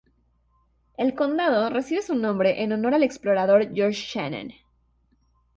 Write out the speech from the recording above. El condado recibe su nombre en honor al explorador George Shannon.